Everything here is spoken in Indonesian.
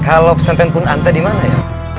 kalau pesantren kunanta di mana ya